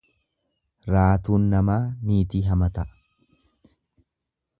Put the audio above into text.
Raatuun namaa niitii hamata.